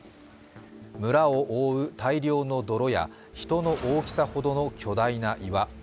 村を覆う大量の泥や人の大きさほどの巨大な岩。